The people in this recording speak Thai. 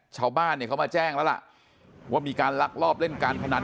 ชาวบ้านเนี่ยเขามาแจ้งแล้วล่ะว่ามีการลักลอบเล่นการพนัน